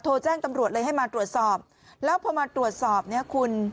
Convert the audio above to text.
โทรแจ้งตำรวจเลยให้มาตรวจสอบแล้วพอมาตรวจสอบเนี่ยคุณ